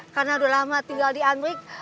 karena udah lama tinggal di angrik